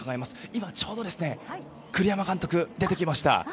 今、ちょうど栗山監督が出てきました。